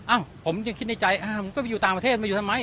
ผมยังคิดในใจผมก็ไปอยู่ต่างประเทศมาอยู่ทำไม